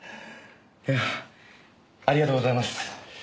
ありがとうございます。